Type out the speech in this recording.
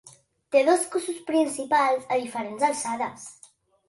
Té dos cossos principals a diferents alçades.